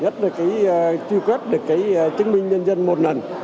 truy quét được cái chứng minh nhân dân một lần